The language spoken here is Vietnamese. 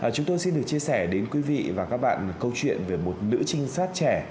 chúng tôi xin được chia sẻ đến quý vị và các bạn câu chuyện về một nữ trinh sát trẻ